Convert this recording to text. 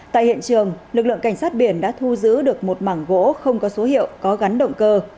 tại hiện trường lực lượng cảnh sát biển đã thu giữ được một mảng gỗ không có số hiệu có gắn động cơ